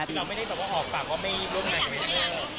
เราไม่ได้ตอบว่าหอบปากว่าไม่ร่วมงานกับเอสเตอร์